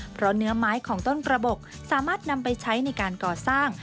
เพราะเนื้อไม้ของต้นกระบบสามารถนำไปใช้ในการก่อสร้าง